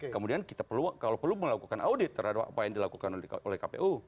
kemudian kita kalau perlu melakukan audit terhadap apa yang dilakukan oleh kpu